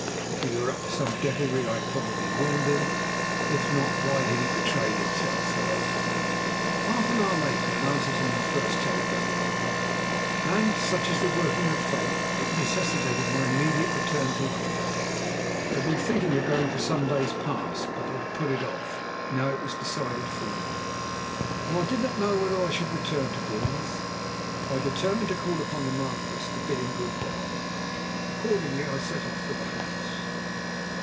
If he were up to some devilry I had probably warned him. If not, why had he betrayed himself so openly? Half an hour later an answer to my first telegram arrived, and, such is the working of Fate, it necessitated my immediate return to London. I had been thinking of going for some days past, but had put it off. Now it was decided for me. As I did not know whether I should return to Bournemouth, I determined to call upon the Marquis to bid him good bye. Accordingly I set off for the house.